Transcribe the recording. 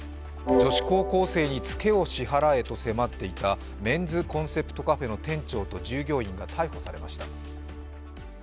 女子高校生にツケを支払えと迫っていたメンズコンセプトカフェの店長と従業員が逮捕されました。